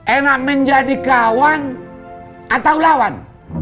enak menjadi kawan atau lawan